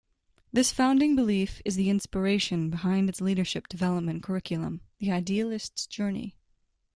This founding belief is the inspiration behind its leadership development curriculum, The Idealist's Journey.